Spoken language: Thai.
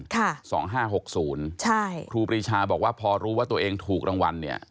ครูปีชาบอกว่าพอรู้ว่าตัวเองถูกรางวัลเนี่ย